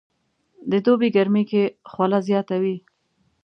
د دوبي ګرمي کې خوله زياته وي